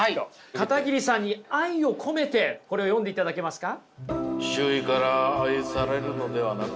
片桐さんに愛を込めてこれを読んでいただけますか？